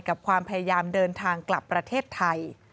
กับความพยายามเดินทางกลับประเทศไทย